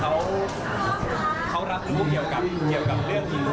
แล้วก็เกี่ยวกับพวกงานศรี